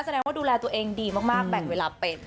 แสดงว่าดูแลตัวเองดีมากแบ่งเวลาเป็น